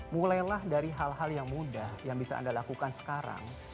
mulailah dari hal hal yang mudah yang bisa anda lakukan sekarang